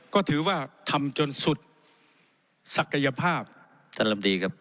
ก็ถือว่าทำจนสุดศักยภาพท่านลำดีครับ